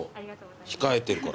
控えてるから。